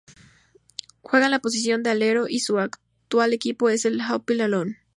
Juega en la posición de alero y su actual equipo es el Hapoel Holon.